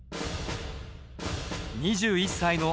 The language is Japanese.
２１歳の